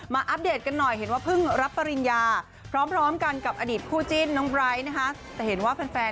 อัปเดตกันหน่อยเห็นว่าเพิ่งรับปริญญาพร้อมกันกับอดีตคู่จิ้นน้องไบร์ทนะคะแต่เห็นว่าแฟน